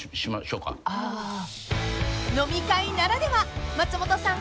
［飲み会ならでは松本さん